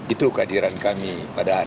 itu kehadiran kami pada hari ini